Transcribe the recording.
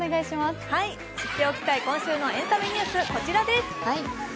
知っておきたい今週のエンタメニュース、こちらです。